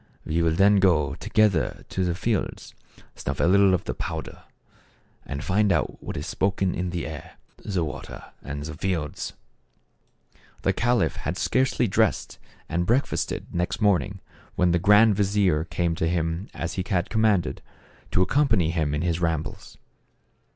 We will then go together to the fields, snuff a little of the pow der, and find out what is spoken in the air, the water and the fields." The caliph had scarcely dressed and break fasted, next morning, when the grand vizier came to him as he had commanded, to accompany him in his rambles.